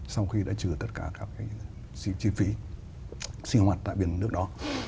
sau khi đã trừ tất cả các chi phí sinh hoạt tại biển nước đó